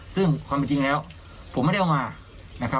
ซึ่งความจริงแล้วผมไม่ได้เอามา